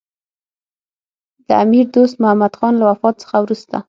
د امیر دوست محمدخان له وفات څخه وروسته.